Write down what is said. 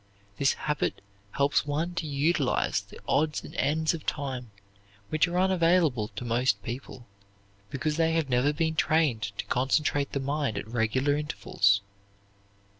This habit helps one to utilize the odds and ends of time which are unavailable to most people because they have never been trained to concentrate the mind at regular intervals.